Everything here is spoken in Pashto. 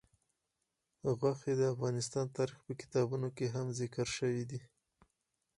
غوښې د افغان تاریخ په کتابونو کې ذکر شوی دي.